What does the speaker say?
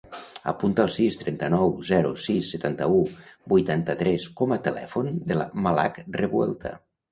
Apunta el sis, trenta-nou, zero, sis, setanta-u, vuitanta-tres com a telèfon de la Malak Revuelta.